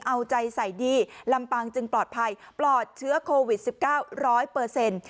เอาใจใส่ดีลำปางจึงปลอดภัยปลอดเชื้อโควิด๑๙ร้อยเปอร์เซ็นต์